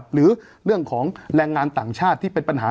หรือเรื่องของแรงงานต่างชาติที่เป็นปัญหา